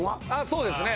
そうですね